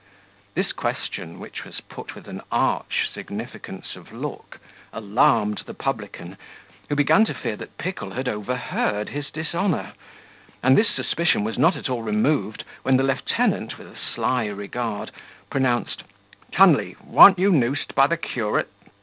This question, which was put with an arch significance of look, alarmed the publican, who began to fear that Pickle had overheard his dishonour; and this suspicion was not at all removed when the lieutenant, with a sly regard, pronounced "Tunley warn't you noosed by the curate?"